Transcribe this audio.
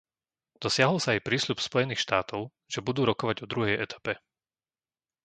Dosiahol sa aj prísľub Spojených štátov, že budú rokovať o druhej etape.